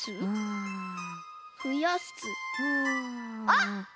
あっ！